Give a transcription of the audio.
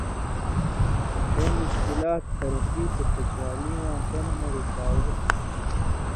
ݜَیں مشکلات ترقی تے خوشحالی یاں پن٘دہۡ مہ رُکاوٹ تھو.